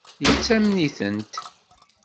Yettamen-itent?